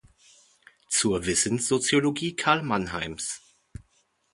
Zur Wissenssoziologie Karl Mannheims".